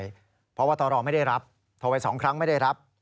เพราะว่าตรไม่ได้รับโทรไป๒ครั้งไม่ได้รับ